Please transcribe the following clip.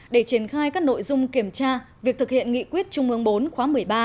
để triển khai các nội dung kiểm tra việc thực hiện nghị quyết trung ương bốn khóa một mươi ba